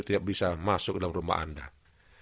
tidak bisa masuk dalam rumah anda